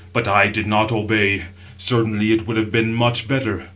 But I did not obey; certainly it would have been much better.